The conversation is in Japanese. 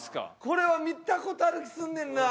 これは見た事ある気すんねんな。